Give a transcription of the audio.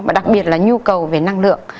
và đặc biệt là nhu cầu về năng lượng